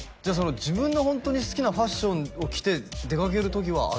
自分のホントに好きなファッションを着て出かける時はある？